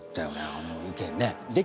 あの意見ね。